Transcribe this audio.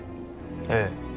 ええ。